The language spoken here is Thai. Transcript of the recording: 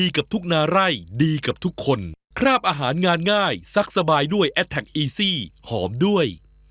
กับทุกนาไร่ดีกับทุกคนคราบอาหารงานง่ายซักสบายด้วยแอดแท็กอีซี่หอมด้วย